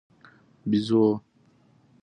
🐒بېزو